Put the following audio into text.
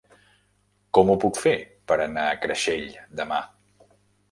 Com ho puc fer per anar a Creixell demà?